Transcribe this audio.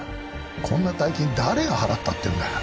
こんな大金誰が払ったっていうんだ？